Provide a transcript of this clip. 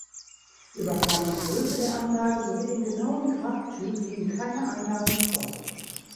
Über Form und Größe der Anlage sowie den genauen Grabtyp liegen keine Angaben vor.